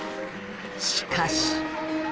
しかし。